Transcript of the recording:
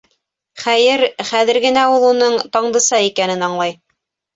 Хәйер, хәҙер генә ул уның Таңдыса икәнен аңлай.